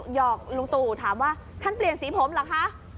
หอกลุงตู่ถามว่าท่านเปลี่ยนสีผมเหรอคะ